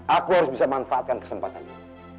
aku harus bisa manfaatkan kesempatan ini